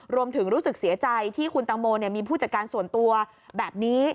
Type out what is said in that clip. รู้สึกเสียใจที่คุณตังโมมีผู้จัดการส่วนตัวแบบนี้